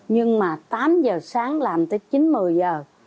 nhưng mà tám giờ sáng làm tới chín một mươi giờ